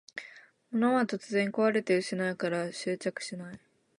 物は突然こわれて失うから執着しない